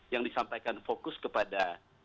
yang disampaikan fokus kepada